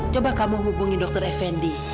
coba kamu hubungi dr effendi